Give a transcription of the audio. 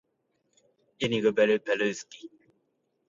Согласно официальным источникам демилитаризация проходит мегауспешно.